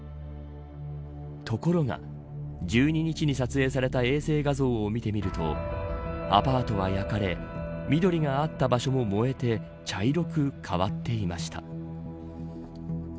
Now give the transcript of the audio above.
ところが、１２日に撮影された衛星画像を見てみるとアパートは焼かれ緑があった場所も燃えて茶色く変わっていました。